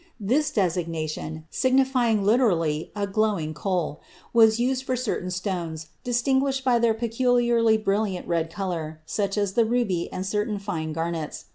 This designation, signifying literally "a glowing coal," was used for certain stones distinguished by their peculiarly brilliant red color, such as the ruby and certain fine garnets.